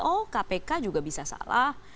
oh kpk juga bisa salah